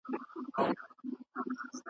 نو به ګورې چي نړۍ دي د شاهي تاج در پرسر کي .